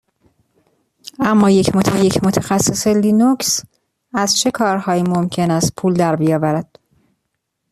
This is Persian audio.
اما یک متخصص لینوکس از چه کارهایی ممکن است پول در بیاورد؟